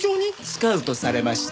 スカウトされました。